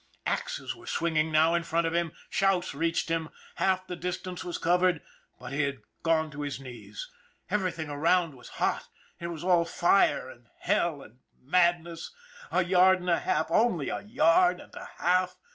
Axes were swinging now in front of him, shouts reached him. Half the distance was covered but he had gone to his knees. Everything around was hot, it was all fire and hell and madness. A yard and a half only a yard and a half.